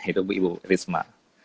itu bu ibu risma